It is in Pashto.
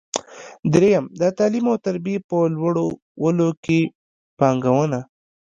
درېیم: د تعلیم او تربیې په لوړولو کې پانګونه.